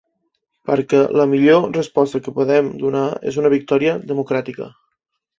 Perquè la millor resposta que podem donar és una victòria democràtica.